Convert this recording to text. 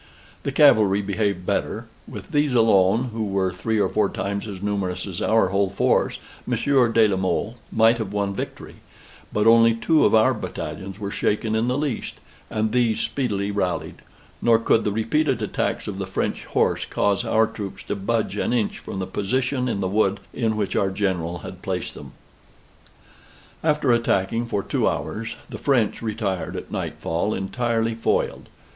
The cavalry behaved better; with these alone, who were three or four times as numerous as our whole force, Monsieur de la Mothe might have won victory: but only two of our battalions were shaken in the least; and these speedily rallied: nor could the repeated attacks of the French horse cause our troops to budge an inch from the position in the wood in which our General had placed them. After attacking for two hours, the French retired at nightfall entirely foiled.